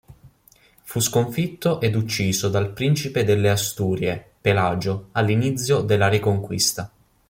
Fu sconfitto ed ucciso dal principe delle Asturie, Pelagio, all'inizio della Reconquista.